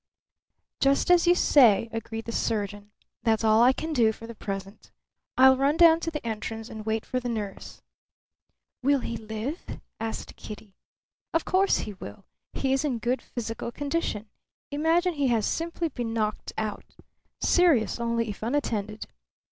"Just as you say," agreed the surgeon. "That's all I can do for the present. I'll run down to the entrance and wait for The nurse." "Will he live?" asked Kitty. "Of course he will. He is in good physical condition. Imagine he has simply been knocked out. Serious only if unattended.